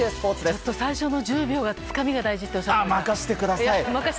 ちょっと最初の１０秒のつかみが大事だと任せてください！